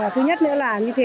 thứ nhất nữa là như thế